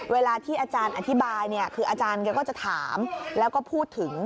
เวลาที่อาจารย์อธิบายเนี่ยคืออาจารย์แกก็จะถามแล้วก็พูดถึง